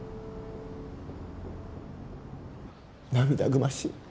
涙ぐましい。